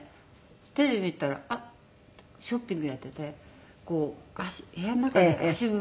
テレビ見ていたらショッピングやっていてこう部屋の中で足踏みする。